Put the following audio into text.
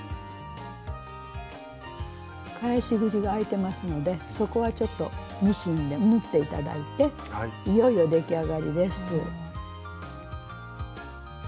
返し口があいてますのでそこはちょっとミシンで縫って頂いていよいよ出来上がりです。